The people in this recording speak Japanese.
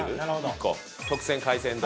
１個特選海鮮丼。